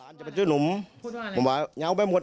มีอะไรวะ